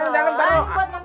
buat mami aja